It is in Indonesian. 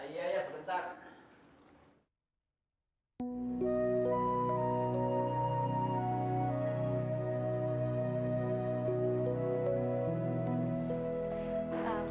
iya iya sebentar